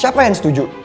siapa yang setuju